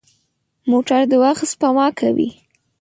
موټر د وخت سپما کوي.